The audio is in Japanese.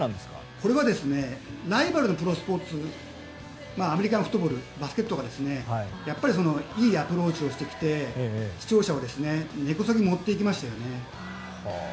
これはライバルのスポーツアメリカンフットボールバスケットがいいアプローチをしてきて視聴者を根こそぎ持っていきましたよね。